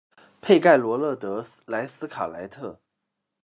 佩盖罗勒德莱斯卡莱特。